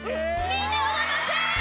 みんなお待たせ！